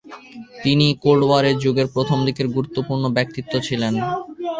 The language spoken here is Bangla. তিনি কোল্ড ওয়ার যুগের প্রথম দিকে গুরুত্বপূর্ণ ব্যক্তিত্ব ছিলেন।